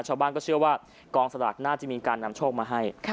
ชาวบ้านก็เชื่อว่ากองสลากน่าจะมีการนำโชคมาให้